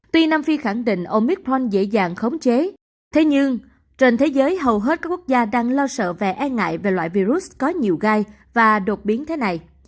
tuy nam phi khẳng định omith pom dễ dàng khống chế thế nhưng trên thế giới hầu hết các quốc gia đang lo sợ và e ngại về loại virus có nhiều gai và đột biến thế này